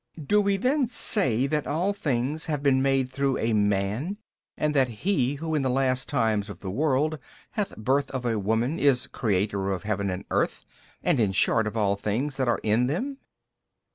B. Do we then say that all things have been made through a man and that he who in the last times of the world hath birth of a woman is Creator of heaven and earth and in short of all things that are in them?